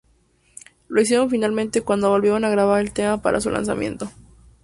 Lo hicieron finalmente cuando volvieron a grabar el tema para su lanzamiento.